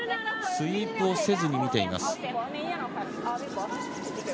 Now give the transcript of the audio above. スイープせずに見ています。